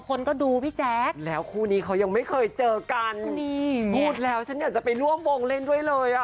กูดแล้วฉันจะแปลงร่วมวงเล่นด้วยเลย